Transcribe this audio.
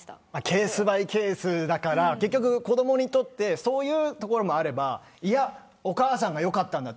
ケースバイケースだから子どもにとってそういうところもあればいや、お母さんがよかったんだ。